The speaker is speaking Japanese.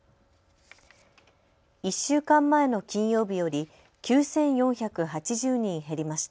１週間前の金曜日より９４８０人減りました。